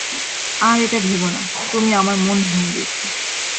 আর এটা ভেবো না, তুমি আমার মন ভেঙে দিয়েছো।